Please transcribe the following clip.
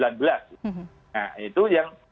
nah itu yang